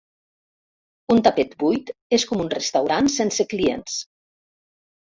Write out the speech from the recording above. Un tapet buit és com un restaurant sense clients.